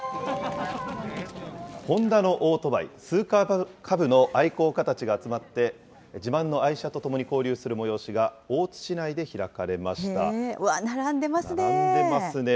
ホンダのオートバイ、スーパーカブの愛好家たちが集まって、自慢の愛車とともに交流する催しが大うわ、並んでますね。